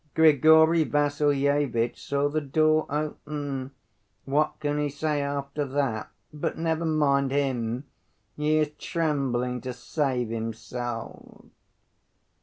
Grigory Vassilyevitch saw the door open. What can he say after that? But never mind him! He is trembling to save himself."